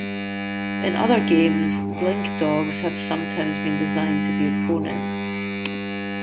In other games, blink dogs have sometimes been designed to be opponents.